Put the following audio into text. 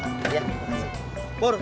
nah abang beri belik tault